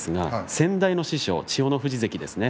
先代の師匠千代の富士関ですね。